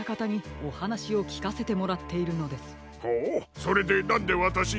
それでなんでわたしに？